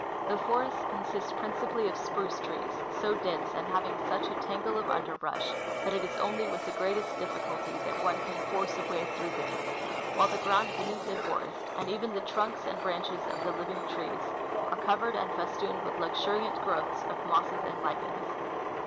The forests con sist principally of spruce trees, so dense and having such a tangle of underbrush that it is only with the greatest difficulty that one can force a way through them ; while the ground Ijeneath the • forest, and even the trunks and branches of the living trees, are covered and festooned with luxuriant growths of mosses and lichens.